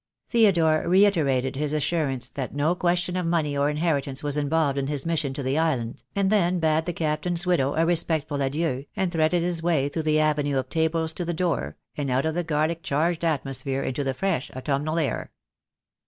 Theodore reiterated his assurance that no question of money or inheritance was involved in his mission to the Island, and then bade the Captain's widow a respectful adieu, and threaded his way through the avenue of tables to the door, and out of the garlic charged atmosphere into the fresh autumnal air.